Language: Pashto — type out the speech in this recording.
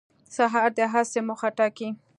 سهار د هڅې موخه ټاکي.